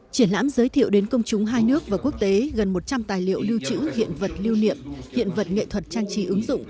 triển lãm giới thiệu đến công chúng hai nước và quốc tế gần một trăm linh tài liệu lưu trữ hiện vật lưu niệm hiện vật nghệ thuật trang trí ứng dụng